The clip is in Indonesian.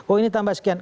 oh ini tambah sekian